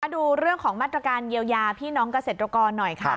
ดูเรื่องของมาตรการเยียวยาพี่น้องเกษตรกรหน่อยค่ะ